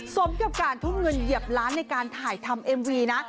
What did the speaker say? สมกับการทุ่มเงินเหยียบล้านในการถ่ายทำเอ็มวีนะ